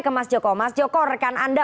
ke mas jokow mas jokow rekan anda